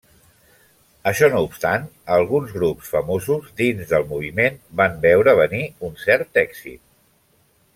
Això no obstant, alguns grups famosos dins del moviment, van veure venir un cert èxit.